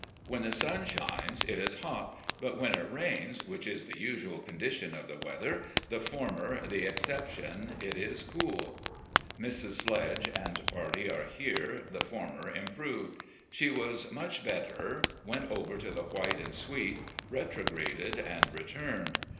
When the stm shines, it is hot ; but when it rains, which is the usual condition of the weather, the former the excep tion, it is cool. Mrs. Sledge and party are here, the for 424 RECOLLECTIONS OF GENERAL LEE mer improved. She was much better, went over to the White and Sweet, retrograded, and returned.